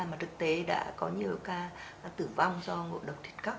mà thực tế đã có nhiều ca tử vong do ngộ độc thịt cóc